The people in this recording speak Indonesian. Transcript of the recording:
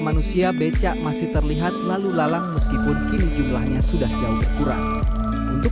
manusia becak masih terlihat lalu lalang meskipun kini jumlahnya sudah jauh berkurang untuk